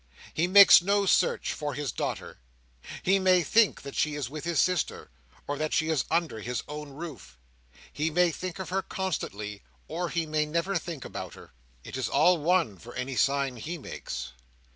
He makes no search for his daughter. He may think that she is with his sister, or that she is under his own roof. He may think of her constantly, or he may never think about her. It is all one for any sign he makes.